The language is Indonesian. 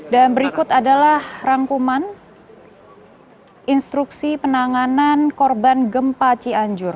dan berikut adalah rangkuman instruksi penanganan korban gempa cianjur